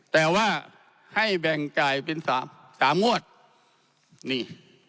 แต่ว่าให้แบ่งจ่ายเป็นสามสามงวดนี่